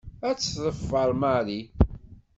Ad tt-teffer Mary.